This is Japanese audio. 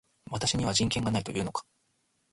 私には人権がないと言うのか